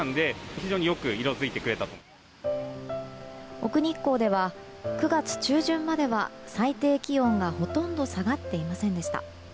奥日光では９月中旬までは最低気温がほとんど下がっていませんでした。